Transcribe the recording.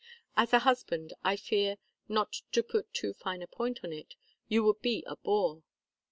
As a husband, I fear, not to put too fine a point on it, you would be a bore.